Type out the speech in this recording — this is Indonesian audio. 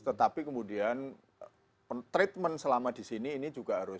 tetapi kemudian treatment selama di sini ini juga harus